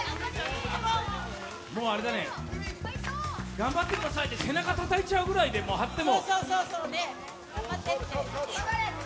頑張ってくださいって、背中たたいちゃうぐらいで貼っても。